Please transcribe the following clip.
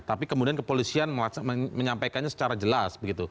tapi kemudian kepolisian menyampaikannya secara jelas begitu